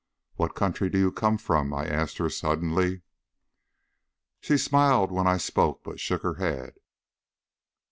"What country do you come from?" I asked her suddenly. She smiled when I spoke, but shook her head.